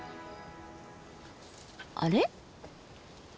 あれ？